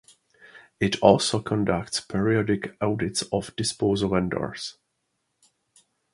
It also conducts periodic audits of disposal vendors.